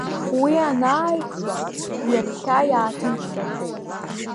Уи анааиқәтәа ҩаԥхьа иааҭынчрахеит.